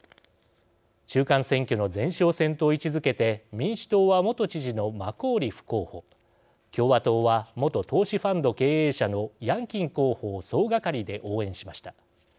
中間選挙の前哨戦と位置づけて民主党は元知事のマコーリフ候補共和党は元投資ファンド経営者のヤンキン候補を総がかりで応援しました。